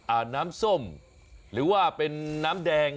น้ำส้มหรือว่าเป็นน้ำแดง